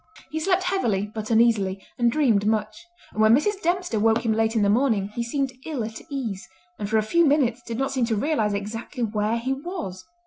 He slept heavily but uneasily, and dreamed much; and when Mrs. Dempster woke him late in the morning he seemed ill at ease, and for a few minutes did not seem to realise exactly where he was.